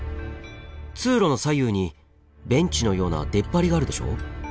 通路の左右にベンチのような出っ張りがあるでしょ。